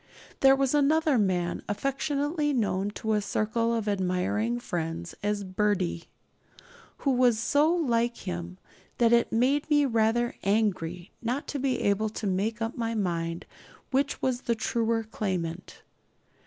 There was another man, affectionately known to a circle of admiring friends as 'Birdie,' who was so like him that it made me rather angry not to be able to make up my mind which was the truer claimant.